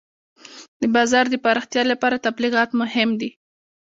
د بازار د پراختیا لپاره تبلیغات مهم دي.